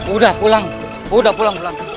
udah pulang udah pulang pulang